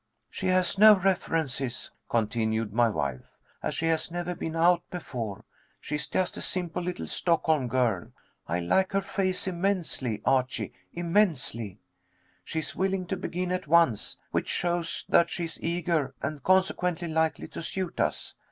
"She has no references," continued my wife, "as she has never been out before. She is just a simple little Stockholm girl. I like her face immensely, Archie immensely. She is willing to begin at once, which shows that she is eager, and consequently likely to suit us.